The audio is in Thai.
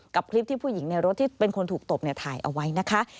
คลิปที่ผู้หญิงในรถที่เป็นคนถูกตบถ่ายเอาไว้นะคะ